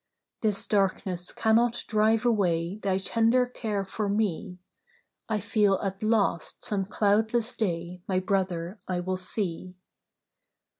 'This darkness cannot drive away Thy tender care for me. I feel at last some cloudless day My Brother I will see.